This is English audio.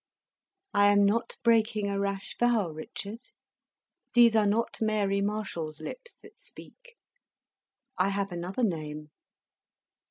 "I am not breaking a rash vow, Richard. These are not Mary Marshall's lips that speak. I have another name."